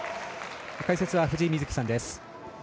解説は藤井瑞希さんです。